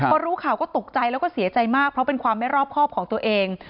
พอรู้ข่าวก็ตกใจแล้วก็เสียใจมากเพราะเป็นความไม่รอบครอบของตัวเอง